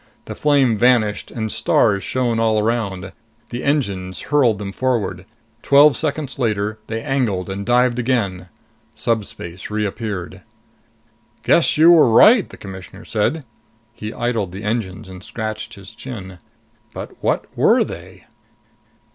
The flame vanished and stars shone all around. The engines hurled them forward. Twelve seconds later, they angled and dived again. Subspace reappeared. "Guess you were right!" the Commissioner said. He idled the engines and scratched his chin. "But what were they?"